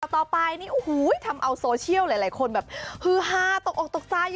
ต่อไปทำเอาโซเชียลหลายคนแบบฮือฮาตกออกตกตาย